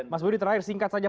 mas budi terakhir singkat saja